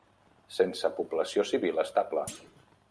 Sense població civil estable.